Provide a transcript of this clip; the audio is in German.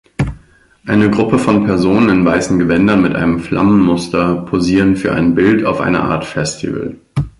Eine Gruppe von Personen in weißen Gewändern mit einem Flammenmuster posieren für ein Bild auf einer Art Festival.